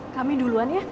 kami duluan ya